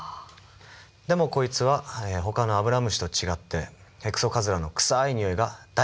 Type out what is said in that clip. でもこいつはほかのアブラムシと違ってヘクソカズラの臭いにおいが大好きなんです。